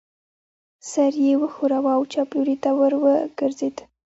سر یې و ښوراوه او چپ لوري ته ور وګرځېد.